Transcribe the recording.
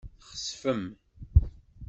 Txesfem.